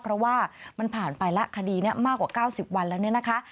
เพราะว่ามันผ่านไปแล้วคดีนี้มากกว่า๙๐วันแล้ว